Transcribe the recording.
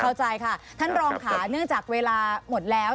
เข้าใจค่ะท่านรองค่ะเนื่องจากเวลาหมดแล้ว